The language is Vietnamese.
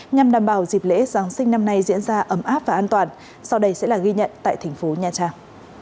nhằm đảm bảo dịp lễ giáng sinh năm nay diễn ra ấm áp và an toàn sau đây sẽ là ghi nhận tại thành phố nha trang